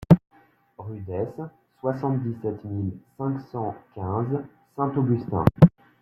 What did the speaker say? Rue d'Esse, soixante-dix-sept mille cinq cent quinze Saint-Augustin